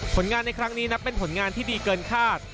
ผลงานในครั้งนี้นับเป็นผลงานที่ดีเกินคาด